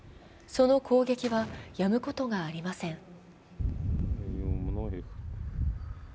その攻撃はやむことがありません。